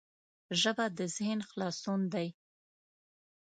ژبه د ذهن خلاصون دی